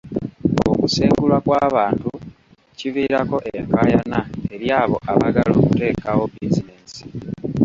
Okusengulwa kw'abantu kiviirako enkaayana eri abo abaagala okuteekawo bizinensi.